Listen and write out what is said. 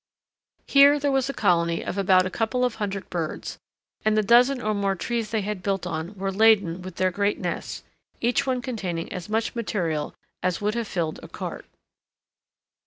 Here there was a colony of about a couple of hundred birds, and the dozen or more trees they had built on were laden with their great nests, each one containing as much material as would have filled a cart.